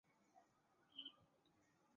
液态主要有硅酸盐等物质。